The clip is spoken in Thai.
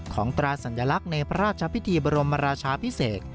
ตราสัญลักษณ์ในพระราชพิธีบรมราชาพิเศษ